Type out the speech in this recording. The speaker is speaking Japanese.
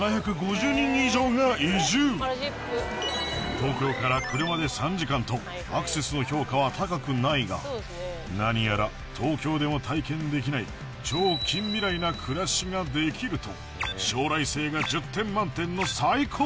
東京から車で３時間とアクセスの評価は高くないが何やら東京でも体験できない将来性が１０点満点の最高評価